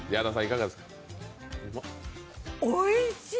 おいしい！